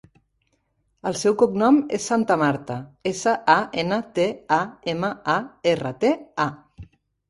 El seu cognom és Santamarta: essa, a, ena, te, a, ema, a, erra, te, a.